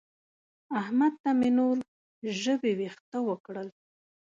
احمد ته مې نور ژبې وېښته وکړل.